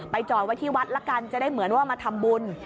จอดไว้ที่วัดละกันจะได้เหมือนว่ามาทำบุญ